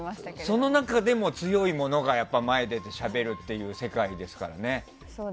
その中でも強い者がやっぱり前に出てしゃべるっていう世界ですからね。